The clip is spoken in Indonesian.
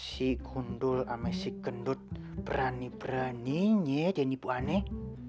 si kundul sama si kendut berani beraninya deh nipu aneh